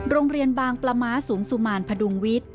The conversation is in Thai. โรงเรียนบางปลาม้าสูงสุมานพดุงวิทย์